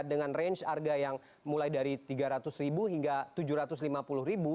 dengan range harga yang mulai dari rp tiga ratus hingga rp tujuh ratus lima puluh